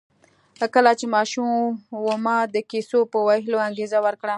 کله چې ماشوم و ما د کیسو په ویلو انګېزه ورکړه